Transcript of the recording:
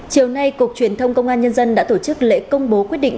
chiều nay cục truyền thông công an nhân dân đã tổ chức lễ công bố quyết định